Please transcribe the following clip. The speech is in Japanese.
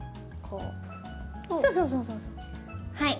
はい。